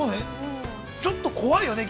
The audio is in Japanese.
◆ちょっと怖いよね。